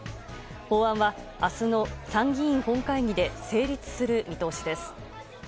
法案は明日の参議院本会議で成立する見通しです。